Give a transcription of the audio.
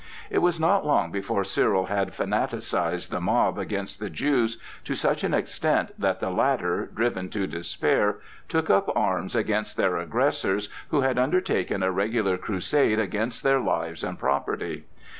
It was not long before Cyril had fanaticized the mob against the Jews to such an extent that the latter, driven to despair, took up arms against their aggressors, who had undertaken a regular crusade against their lives and property.